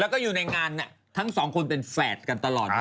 แล้วก็อยู่ในงานทั้งสองคนเป็นแฝดกันตลอด